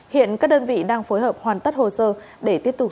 hiện các đơn vị đang phối hợp hoàn tất hồ sơ để tiếp tục